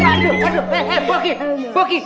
aduh eh eh bogi